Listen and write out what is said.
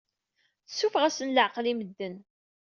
Tessuffeɣ-asen leɛqel i medden.